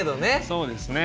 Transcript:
そうですね。